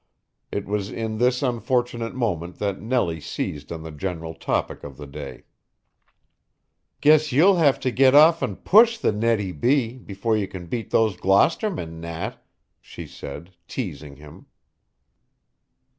It was in this unfortunate moment that Nellie seized on the general topic of the day. "Guess you'll have to get off and push the Nettie B. before you can beat those Gloucestermen, Nat," she said, teasing him.